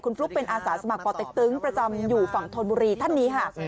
ฟลุ๊กเป็นอาสาสมัครปเต็กตึงประจำอยู่ฝั่งธนบุรีท่านนี้ค่ะ